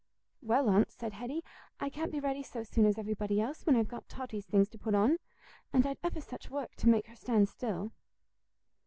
"Well, Aunt," said Hetty, "I can't be ready so soon as everybody else, when I've got Totty's things to put on. And I'd ever such work to make her stand still."